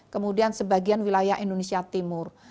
kemudian sebagian wilayah indonesia timur